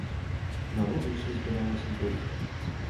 Народу ўсё збіралася больш.